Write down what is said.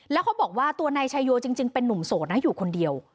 แล้วเขาบอกว่าตัวนายชายโยจริงเป็นนุ่มโสดนะอยู่คนเดียว